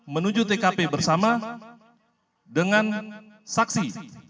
menuju tkp bersama dengan saksi